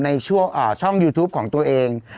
ในช่วงช่องยูทูปของตัวเอง